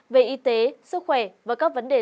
về y tế sức khỏe và các vấn đề